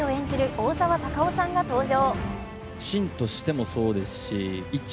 大沢たかおさんが登場。